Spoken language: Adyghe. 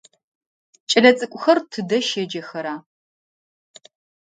Кӏэлэцӏыкӏухэр тыдэ щеджэхэра?